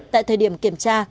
tại thời điểm kiểm tra